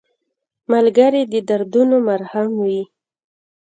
ملګری د دردونو مرهم وي